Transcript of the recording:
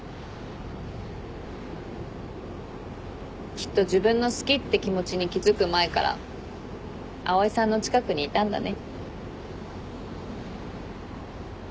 きっと自分の好きって気持ちに気付く前から蒼井さんの近くにいたんだね。